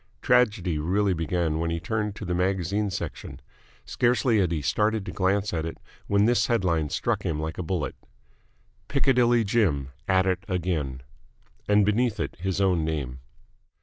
Tragedy really began when he turned to the magazine section. Scarcely had he started to glance at it when this headline struck him like a bullet: PICCADILLY JIM AT IT AGAIN And beneath it his own name.